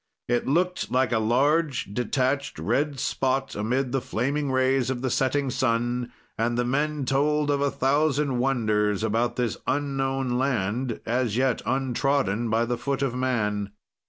"It looked like a large, detached red spot, amid the flaming rays of the setting sun, and the men told of a thousand wonders about this unknown land, as yet untrodden by the foot of man.